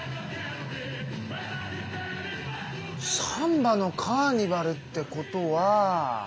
サンバのカーニバルってことは。